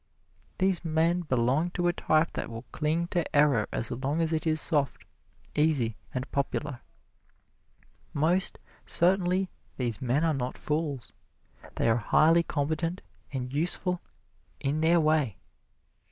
These men belong to a type that will cling to error as long as it is soft, easy and popular. Most certainly these men are not fools they are highly competent and useful in their way.